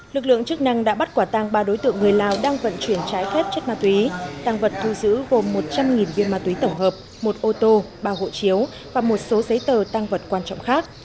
lực lượng chức năng đã bắt quả tăng ba đối tượng người lào đang vận chuyển trái phép chất ma túy tăng vật thu giữ gồm một trăm linh viên ma túy tổng hợp một ô tô ba hộ chiếu và một số giấy tờ tăng vật quan trọng khác